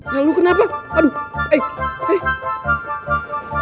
sial lu kenapa aduh eh eh